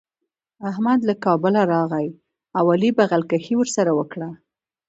احمد له کابله راغی او علي بغل کښي ورسره وکړه.